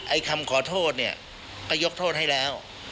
คำขอโทษเนี่ยก็ยกโทษให้แล้ว